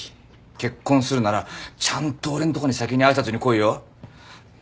結婚するならちゃんと俺んとこに先に挨拶に来いよ。